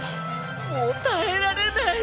もう耐えられない！